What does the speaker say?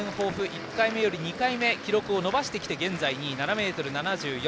１回目より２回目で記録を伸ばしてきて現在２位、７ｍ７４。